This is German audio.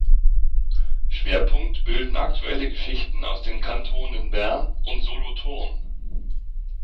Schwerpunkt bilden aktuelle Geschichten aus den Kantonen Bern und Solothurn.